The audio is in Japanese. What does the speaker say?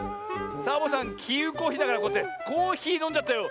サボさんきうこひだからこうやってコーヒーのんじゃったよ。